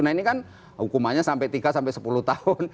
nah ini kan hukumannya sampai tiga sampai sepuluh tahun